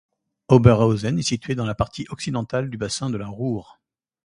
Oberhausen est située dans la partie occidentale du bassin de la Ruhr.